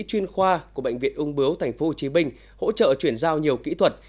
chuyên khoa của bệnh viện ung bướu tp hcm hỗ trợ chuyển giao nhiều kỹ thuật